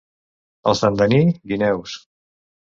Els d'Andaní, guineus.